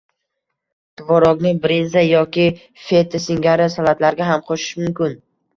Tvorogni brinza yoki feta singari salatlarga ham qo‘shish mumkin